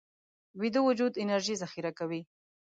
ویده وجود انرژي ذخیره کوي